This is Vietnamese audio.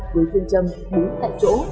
với phương châm đúng tại chỗ